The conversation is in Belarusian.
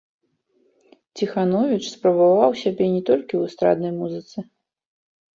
Ціхановіч спрабаваў сябе не толькі ў эстраднай музыцы.